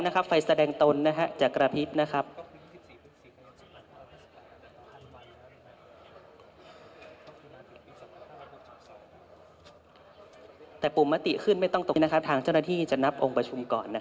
ขณะปุมมติขึ้นไม่ต้องตกนี้นะครับทางเจ้าหน้าที่จะนับองค์ประชุมก่อน